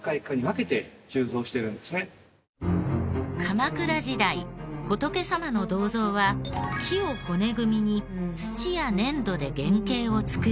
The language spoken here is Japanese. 鎌倉時代仏様の銅像は木を骨組みに土や粘土で原型を作り